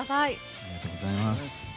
ありがとうございます。